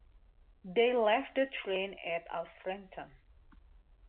They left the train at Alfreton.